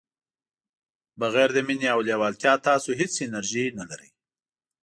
بغير د مینې او لیوالتیا تاسو هیڅ انرژي نه لرئ.